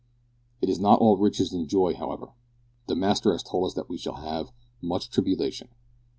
It is not all riches and joy, however. The Master has told us that we shall have "much tribulation."